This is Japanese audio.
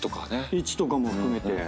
位置とかも含めて。